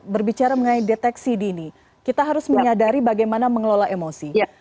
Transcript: berbicara mengenai deteksi dini kita harus menyadari bagaimana mengelola emosi